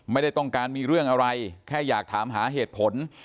ไม่ได้ต้องการมีเรื่องอะไรแค่อยากถามหาเหตุผล